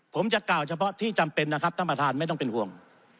ผมจะกล่าวเฉพาะที่จำเป็นนะครับท่านประธานไม่ต้องเป็นห่วง